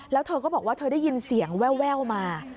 แล้วเธอก็บอกว่าเธอได้ยินเสียงแววมา